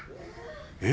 え？